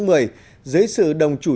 dưới sự đồng chủ